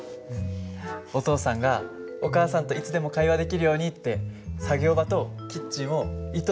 お父さんがお母さんといつでも会話できるようにって作業場とキッチンを糸